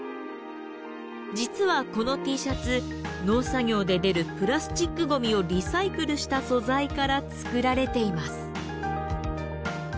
実はこのＴシャツ農作業で出るプラスチックごみをリサイクルした素材から作られています。